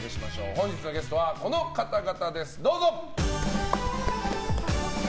本日のゲストはこの方々です。